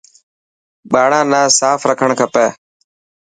ٻاڙان نا ساف رکڻ کپي.